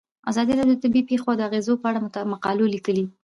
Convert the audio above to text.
ازادي راډیو د طبیعي پېښې د اغیزو په اړه مقالو لیکلي.